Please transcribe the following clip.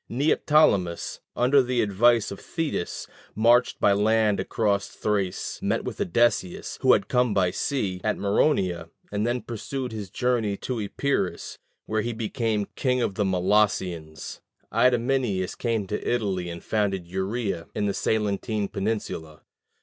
Neoptolemus, under the advice of Thetis, marched by land across Thrace, met with Odysseus, who had come by sea, at Maroneia, and then pursued his journey to Epirus, where he became king of the Molossians. Idomeneus came to Italy, and founded Uria in the Salentine peninsula.